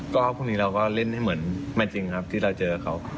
ก็พรุ่งนี้เราก็เล่นให้เหมือนแม่จริงครับที่เราเจอเขา